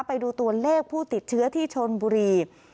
ไปดูตัวเลขผู้ติดเชื้อที่ชนบุรี